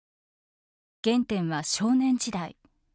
原点は少年時代。